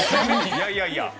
いやいやいや！